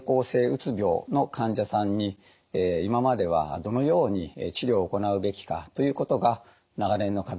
うつ病の患者さんに今まではどのように治療を行うべきかということが長年の課題でした。